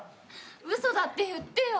嘘だって言ってよ！